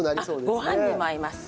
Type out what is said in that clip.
ごはんにも合います。